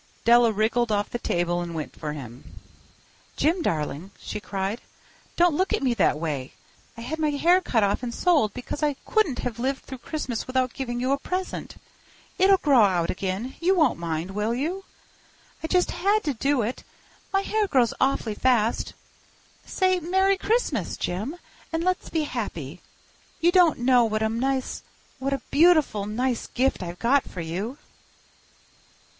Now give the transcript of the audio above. Della wriggled off the table and went for him. "Jim, darling," she cried, "don't look at me that way. I had my hair cut off and sold because I couldn't have lived through Christmas without giving you a present. It'll grow out again—you won't mind, will you? I just had to do it. My hair grows awfully fast. Say 'Merry Christmas!' Jim, and let's be happy. You don't know what a nice—what a beautiful, nice gift I've got for you."